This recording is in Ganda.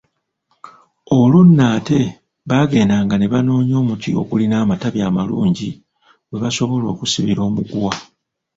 Olwo nno ate baagendanga ne banoonya omuti ogulina amatabi amalungi we basobola okusibira omuguwa.